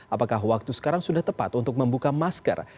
apakah waktu sekarang sudah tepat untuk membuka masker